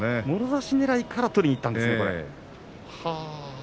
もろ差しねらいから取りにいったんですね。